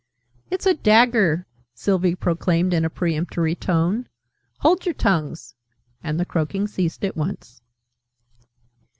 "It's a dagger!" Sylvie proclaimed in a peremptory tone. "Hold your tongues!" And the croaking ceased at once.